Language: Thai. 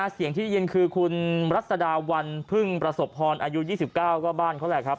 เสียงที่ได้ยินคือคุณรัศดาวันพึ่งประสบพรอายุ๒๙ก็บ้านเขาแหละครับ